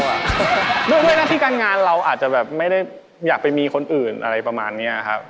ด้วยหน้าที่การงานเราอาจจะแบบไม่ได้อยากไปมีคนอื่นอะไรประมาณนี้ครับ